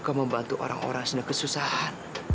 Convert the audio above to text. kakek suka membantu orang orang sedang kesusahan